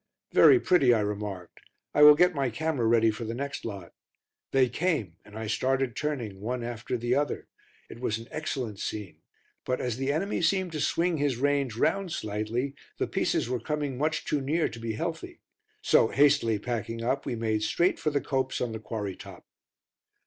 "Very pretty," I remarked. "I will get my camera ready for the next lot." They came and I started turning one after the other; it was an excellent scene; but, as the enemy seemed to swing his range round slightly, the pieces were coming much too near to be healthy. So, hastily packing up, we made straight for the copse on the quarry top.